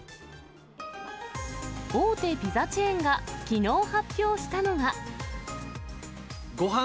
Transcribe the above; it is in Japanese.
大手ピザチェーンがきのう発表したのは。